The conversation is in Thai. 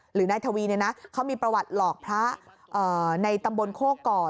หรือนายทวีเขามีประวัติหลอกพระในตำบลโคก่อ